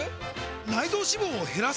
内臓脂肪を減らす！？